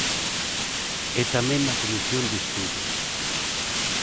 E tamén na comisión de estudo.